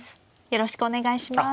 よろしくお願いします。